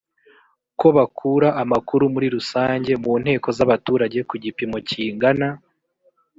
ko bakura amakuru muri rusange mu nteko z abaturage ku gipimo kingana